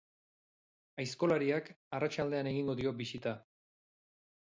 Aizkolariak arratsaldean egingo dio bisita.